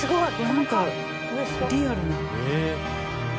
なんかリアルな。